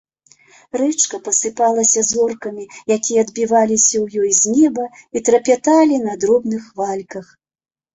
Рэчка пасыпалася зоркамі, якія адбіваліся ў ёй з неба і трапяталі на дробных хвальках.